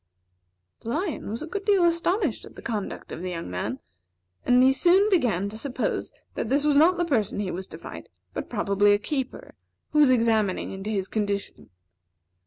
The lion was a good deal astonished at the conduct of the young man; and he soon began to suppose that this was not the person he was to fight, but probably a keeper, who was examining into his condition.